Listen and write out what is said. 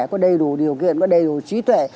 có đầy đủ điều kiện có đầy đủ trí tuệ